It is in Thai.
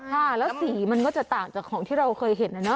ค่ะแล้วสีมันก็จะต่างจากของที่เราเคยเห็นนะเนา